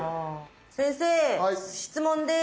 先生質問です。